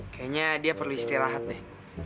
kayaknya dia perlu istirahat deh